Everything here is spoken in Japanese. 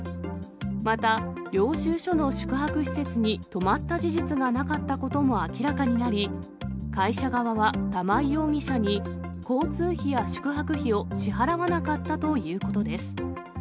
また、領収書の宿泊施設に泊まった事実がなかったことも明らかになり、会社側は玉井容疑者に、交通費や宿泊費を支払わなかったということです。